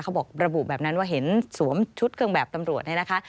เขาบอกระบุแบบนั้นว่าเห็นสวมชุดเครื่องแบบตำรวจเนี่ยนะคะ